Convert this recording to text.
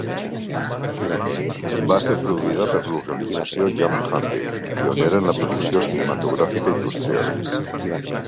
Va ser produïda per l'organització Jam Handy, pionera en la producció cinematogràfica industrial.